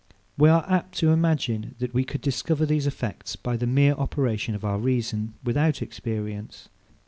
We are apt to imagine that we could discover these effects by the mere operation of our reason, without experience.